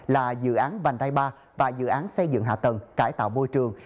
là dự án vành đai ba và dự án xây dựng hạ tầng cải tạo môi trường